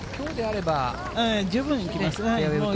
十分できますね。